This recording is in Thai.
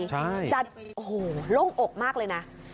โหโล่งอกมากเลยนะ